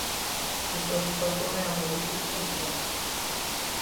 A súa situación era moi difícil entón.